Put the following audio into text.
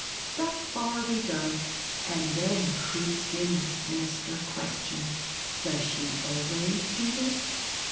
Thus far we go, and then creeps in the sinister question: Does she always do this?